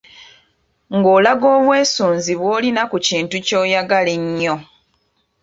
Ng’olaga obwesunzi bw’olina ku kintu ky’oyagala ennyo.